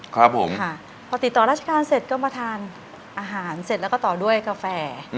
ครับผมค่ะพอติดต่อราชการเสร็จก็มาทานอาหารเสร็จแล้วก็ต่อด้วยกาแฟ